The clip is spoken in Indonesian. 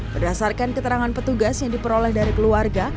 berdasarkan keterangan petugas yang diperoleh dari keluarga